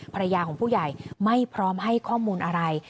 ภรรยาของผู้ใหญ่ไม่พร้อมให้ข้อมูลอะไร